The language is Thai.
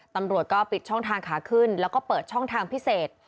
ตำรวจก็ปิดช่องทางขาขึ้นแล้วก็เปิดช่องทางพิเศษ